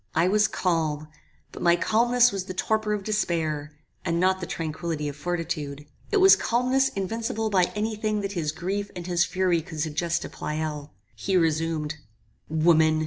I was calm; but my calmness was the torpor of despair, and not the tranquillity of fortitude. It was calmness invincible by any thing that his grief and his fury could suggest to Pleyel. He resumed "Woman!